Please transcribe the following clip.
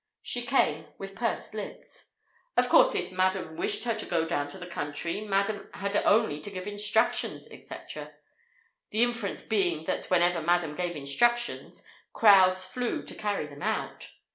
She came, with pursed lips. Of course, if Madam wished her to go down to the country, Madam had only to give instructions, etc.—the inference being that whenever Madam gave instructions, crowds flew to carry them out!